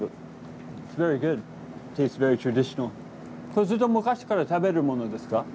これずっと昔から食べるものですか？